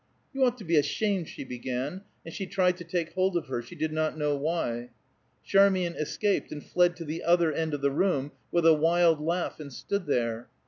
"You ought to be ashamed," she began, and she tried to take hold of her; she did not know why. Charmian escaped, and fled to the other end of the room with a wild laugh, and stood there.